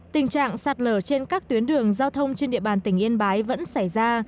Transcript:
tình trạng sạt lở trên các tuyến đường giao thông trên địa bàn tỉnh yên bái vẫn xảy ra